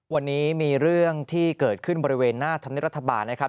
วันนี้มีเรื่องที่เกิดขึ้นบริเวณหน้าธรรมเนียบรัฐบาลนะครับ